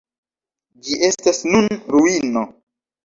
Ĝi estas nun ruino.